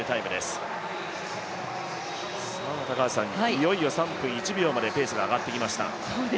いよいよ３分１秒間でペースが上がってきました。